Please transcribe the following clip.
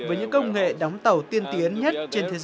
với những công nghệ đóng tàu tiên tiến nhất